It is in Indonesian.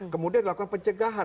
kemudian dilakukan pencegahan